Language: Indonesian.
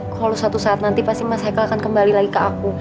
kalau suatu saat nanti pasti mas haikal akan kembali lagi ke aku